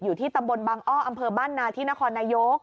อยู่ที่ตำบลบังอ้ออำเภอบ้านนาที่นครนายก